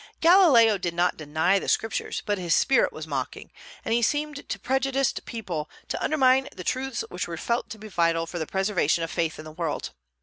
Galileo did not deny the Scriptures, but his spirit was mocking; and he seemed to prejudiced people to undermine the truths which were felt to be vital for the preservation of faith in the world.